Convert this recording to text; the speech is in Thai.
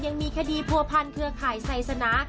ยังมีคดีผัวพันเครือข่ายไซสนา